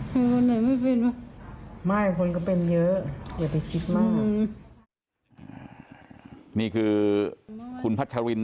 พี่สาวของเธอบอกว่ามันเกิดอะไรขึ้นกับพี่สาวของเธอ